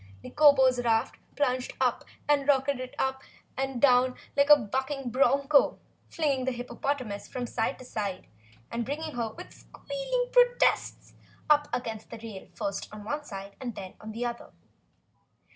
Nikobo's raft plunged and rocketed up and down like a bucking bronco, flinging the hippopotamus from side to side and bringing her with squealing protests up against the rail first on one side and then on the other.